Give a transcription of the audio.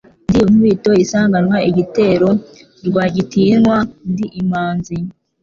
Ndi inkubito isanganwa igitero, Rwagitinywa ndi imanzi,